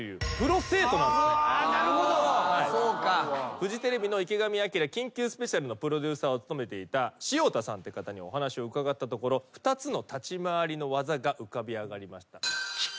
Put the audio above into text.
フジテレビの『池上彰緊急スペシャル！』のプロデューサーを務めていた塩田さんにお話を伺ったところ２つの立ち回りの技が浮かび上がりました。